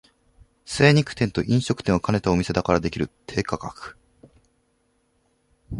精肉店と飲食店を兼ねたお店だからできる低価格